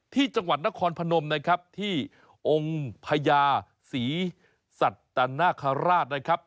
ที่จังหวัดนครพนมนะครับที่องค์พญาศรีสัตนคราชนะครับ